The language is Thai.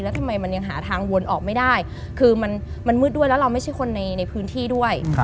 แล้วทำไมมันยังหาทางวนออกไม่ได้คือมันมืดด้วยแล้วเราไม่ใช่คนในพื้นที่ด้วย